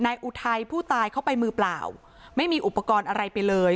อุทัยผู้ตายเข้าไปมือเปล่าไม่มีอุปกรณ์อะไรไปเลย